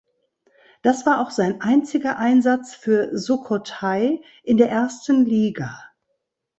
Das war auch sein einziger Einsatz für Sukhothai in der ersten Liga.